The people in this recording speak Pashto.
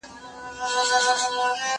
زه هره ورځ سينه سپين کوم؟